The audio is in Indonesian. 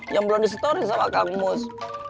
yang belum disetorin sama kamus